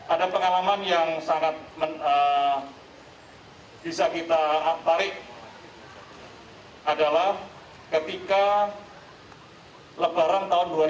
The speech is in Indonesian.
ada pengalaman yang sangat bisa kita tarik adalah ketika lebaran tahun dua ribu dua puluh